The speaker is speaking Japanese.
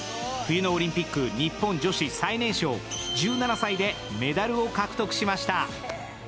冬のオリンピック日本女子最年少１７歳でメダルを獲得しました。